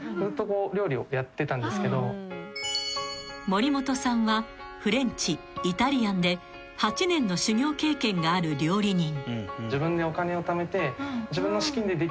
［森本さんはフレンチイタリアンで８年の修業経験がある料理人］